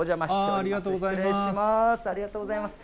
ありがとうございます。